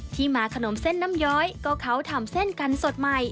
ที่มาขนมเส้นน้ำย้อยก็เขาทำเส้นกันสดใหม่